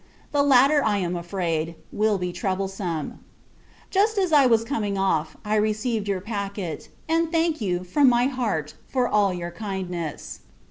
The latter, I am afraid, will be troublesome. Just as I was coming off, I received your packet; and thank you, from my heart, for all your kindness.